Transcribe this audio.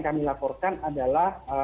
kami laporkan adalah